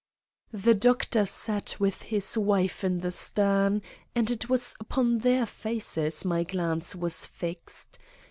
The Doctor sat with his wife in the stern, and it was upon their faces my glance was fixed.